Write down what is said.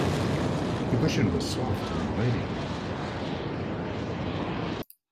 The cushion was soft and inviting.